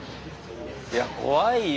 いや怖いよ。